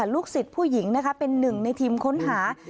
ลูกสิทธิ์ผู้หญิงเป็นหนึ่งในทีมค้นหา